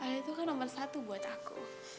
ayah itu kan nomor satu buat aku